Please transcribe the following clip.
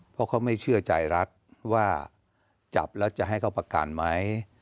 เพราะเขาไม่เชื่อใจรัฐว่าจับแล้วจะให้เขาประกันไหม